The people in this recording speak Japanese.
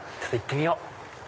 行ってみよう。